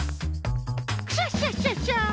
クシャシャシャシャ！